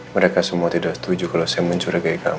mereka semua tidak setuju kalau saya mencurigai kamu